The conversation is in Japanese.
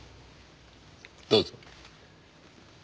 どうぞ。